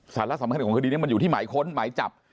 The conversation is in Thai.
สาระสำคัญของคดีนี้มันอยู่ที่หมายค้นหมายจับ